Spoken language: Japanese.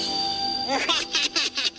ウハハハハハ！